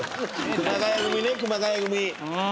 熊谷組ね熊谷組。